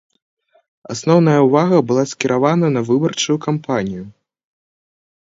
Асноўная ўвага была скіравана на выбарчую кампанію.